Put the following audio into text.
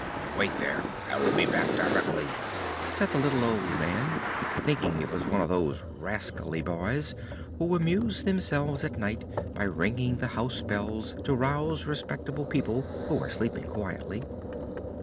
"Wait there, I will be back directly," said the little old man, thinking it was one of those rascally boys who amuse themselves at night by ringing the house bells to rouse respectable people who are sleeping quietly.